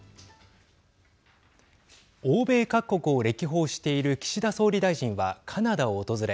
欧米各国を歴訪している岸田総理大臣はカナダを訪れ